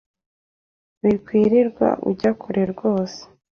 wikwirirwa ujya kure rwose